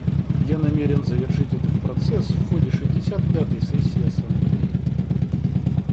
Я намерен завершить этот процесс в ходе шестьдесят пятой сессии Ассамблеи.